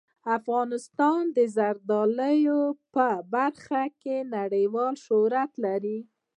افغانستان د زردالو په برخه کې نړیوال شهرت لري.